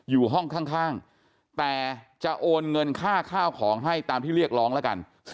อยู่ห้องข้างแต่จะโอนเงินค่าข้าวของให้ตามที่เรียกร้องแล้วกัน